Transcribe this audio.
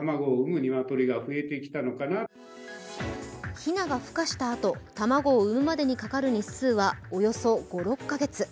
ひながふ化したあと、卵を産むまでにかかる日数はおよそ５６か月。